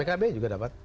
pkb juga dapat